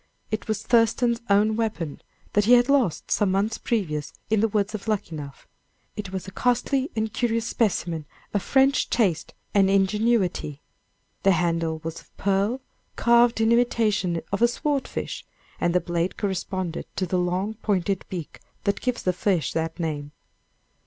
It was Thurston's own weapon, that he had lost some months previous in the woods of Luckenough. It was a costly and curious specimen of French taste and ingenuity. The handle was of pearl, carved in imitation of the sword fish, and the blade corresponded to the long pointed beak that gives the fish that name.